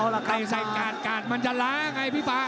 เตะใส่กาดกาดมันจะล้าไงพี่ฟ้า